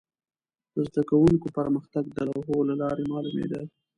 د زده کوونکو پرمختګ د لوحو له لارې معلومېده.